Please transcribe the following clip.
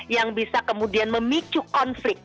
yang bisa kemudian memicu konflik